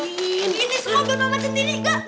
ini semua buat mama centini